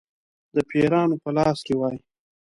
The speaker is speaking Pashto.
د پیرانو په لاس کې وای.